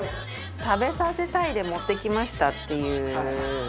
「食べさせたい」で持ってきましたっていう。